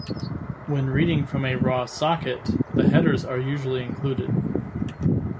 When reading from a raw socket, the headers are usually included.